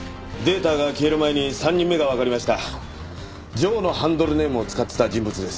ジョーのハンドルネームを使ってた人物です。